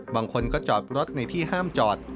บางคนก็จอดรถในที่ห้ามจอด